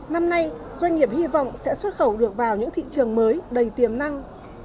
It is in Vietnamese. năm nay doanh nghiệp hy vọng sẽ xuất khẩu được vào những thị trường mới đầy tiềm năng